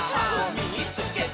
「みいつけた！」。